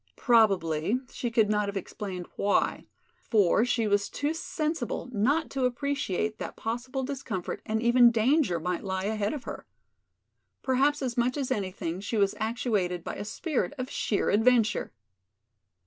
Probably she could not have explained why, for she was too sensible not to appreciate that possible discomfort and even danger might lie ahead of her. Perhaps as much as anything she was actuated by a spirit of sheer adventure.